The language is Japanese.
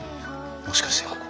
もしかしてここ。